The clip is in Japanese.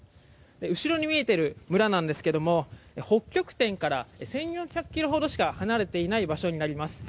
後ろに見えている村なんですけれども北極点から１４００ｋｍほどしか離れていない場所になります。